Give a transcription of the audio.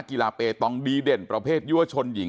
คุณยายบอกว่ารู้สึกเหมือนใครมายืนอยู่ข้างหลัง